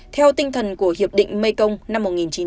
theo tinh thần của hiệp định mekong năm một nghìn chín trăm chín mươi năm